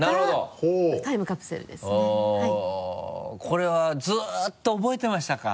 これはずっと覚えてましたか？